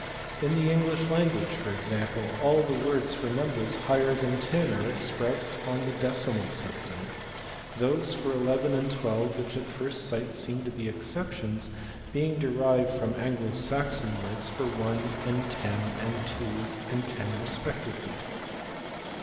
In the English language for example all the words for numbers higher than ten are expressed on the decimal system: those for 11 and 12, which at first sight seem to be exceptions, being derived from Anglo Saxon words for one and ten and two and ten respectively.